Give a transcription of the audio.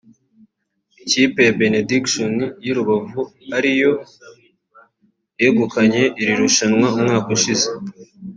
ikipe ya Benediction y’i Rubavu ariyo yegukanye iri rushanwa umwaka ushize